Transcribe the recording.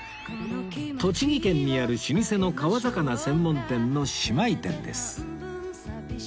栃木県にある老舗の川魚専門店の姉妹店です